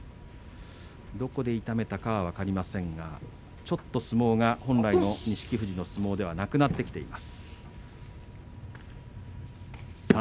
どこで痛めたか分かりませんがちょっと相撲が本来の錦富士の相撲ではなくなってきています。